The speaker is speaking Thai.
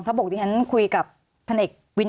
สวัสดีครับทุกคน